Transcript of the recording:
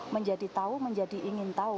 menjadi tahu menjadi ingin tahu